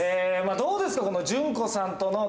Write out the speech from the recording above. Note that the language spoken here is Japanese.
どうですか？